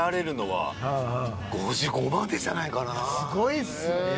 すごいっすね。